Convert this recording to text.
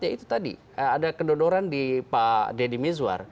ya itu tadi ada kedonoran di pak deddy miswar